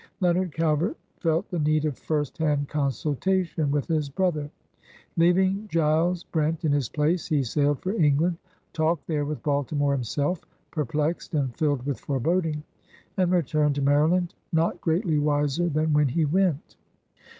Leonard Calvert felt the need of first hand consultation with his brother. Leaving Giles Brent in his place, he sailed for England, talked there with Baltimore himself, perplexed and filled with foreboding, and returned to Maryland not greatly wiser than when he went.